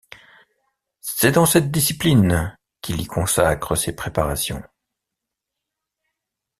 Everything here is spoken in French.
C'est dans cette discipline qu'il y consacre ses préparations.